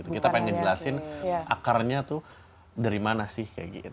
kita pengen ngejelasin akarnya tuh dari mana sih kayak gitu